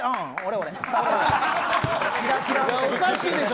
おかしいでしょ。